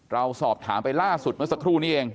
เราสอบถามไปล่าสุดเมื่อสักครู่นี้เอง